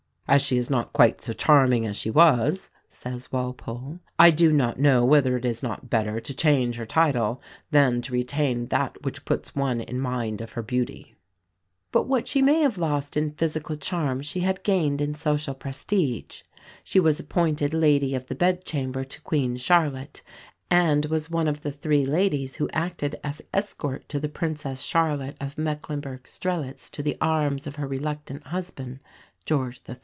"As she is not quite so charming as she was," says Walpole, "I do not know whether it is not better to change her title than to retain that which puts one in mind of her beauty." But what she may have lost in physical charms she had gained in social prestige. She was appointed Lady of the Bedchamber to Queen Charlotte; and was one of the three ladies who acted as escort to the Princess Charlotte of Mecklenburg Strelitz to the arms of her reluctant husband, George III.